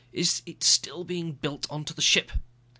Is it still being built onto the ship?"